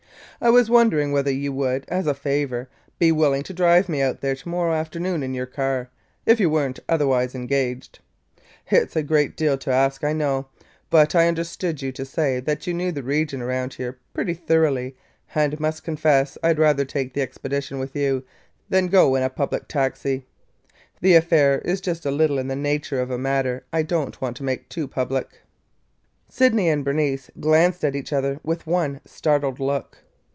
I was wondering whether you would, as a great favor, be willing to drive me out there to morrow afternoon in your car, if you were n't otherwise engaged. It 's a great deal to ask, I know, but I understood you to say that you knew the region around here pretty thoroughly and must confess I 'd rather take the expedition with you than to go in a public taxi. The affair is just a little in the nature of a matter I don't want to make too public." Sydney and Bernice glanced at each other with one startled look.